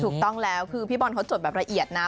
ถูกต้องแล้วคือพี่บอลเขาจดแบบละเอียดนะ